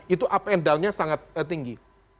itu up and down nya sangat tinggi